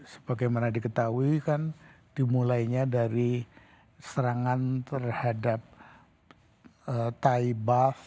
sebagaimana diketahui kan dimulainya dari serangan terhadap tai buff